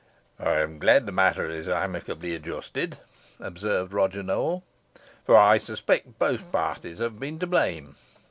"I am glad the matter is amicably adjusted," observed Roger Nowell, "for I suspect both parties have been to blame.